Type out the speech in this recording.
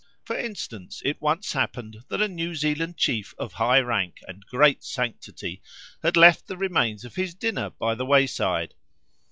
For instance, it once happened that a New Zealand chief of high rank and great sanctity had left the remains of his dinner by the wayside.